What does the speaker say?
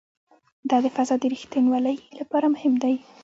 دا د فضا د ریښتینولي لپاره مهم دی.